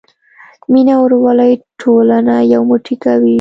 مینه او ورورولي ټولنه یو موټی کوي.